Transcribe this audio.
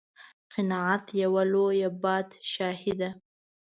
قناعت یوه لویه بادشاهي ده.